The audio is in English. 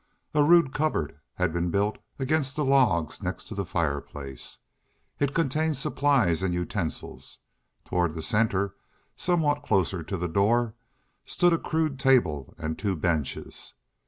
A rude cupboard had been built against the logs next to the fireplace. It contained supplies and utensils. Toward the center, somewhat closer to the door, stood a crude table and two benches.